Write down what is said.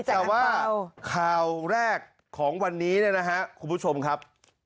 แต่ว่าข่าวแรกของวันนี้คุณผู้ชมครับ